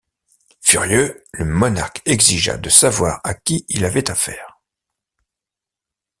Furieux, le monarque exigea de savoir à qui il avait à faire.